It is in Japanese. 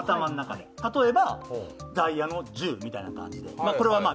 例えばダイヤの１０みたいな感じで。